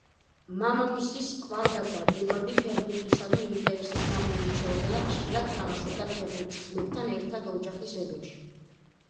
მამამისის კვალდაკვალ, ედუარდი ფეხბურთისადმი ინტერესით გამოირჩეოდა და ხშირად თამაშობდა ფეხბურთს ძმებთან ერთად ოჯახის ეზოში.